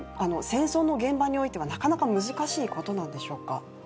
戦争の現場においてはなかなか難しいことなんでしょうか？